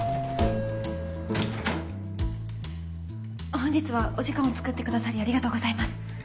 本日はお時間を作ってくださりありがとうございます。